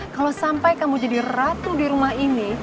kalau sampai kamu jadi ratu di rumah ini